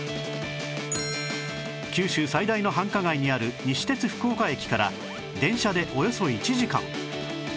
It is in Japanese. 九州最大の繁華街にある西鉄福岡駅から電車でおよそ１時間